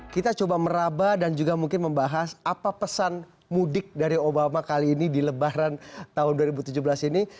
kita coba meraba dan juga mungkin membahas apa pesan mudik dari obama kali ini di lebaran tahun dua ribu tujuh belas ini